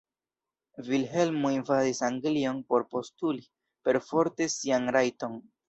Vilhelmo invadis Anglion por postuli perforte sian "rajton".